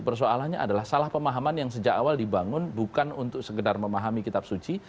persoalannya adalah salah pemahaman yang sejak awal dibangun bukan untuk sekedar memahami kitab suci